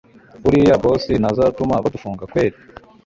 buriya boss ntazatuma badufunga kweli